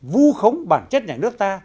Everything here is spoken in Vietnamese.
vũ khống bản chất nhà nước ta